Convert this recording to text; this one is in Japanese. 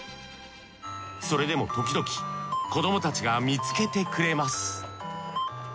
それでもときどき子どもたちが見つけてくれます